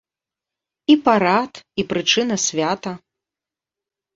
І парад, і прычына свята.